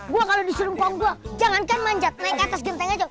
gua kalo disuruh ngomong gua jangankan manjat naik ke atas genteng aja